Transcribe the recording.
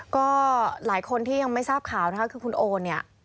ก็หลายคนที่ยังไม่ทราบข่าวนะคะคือคุณโอเนี่ย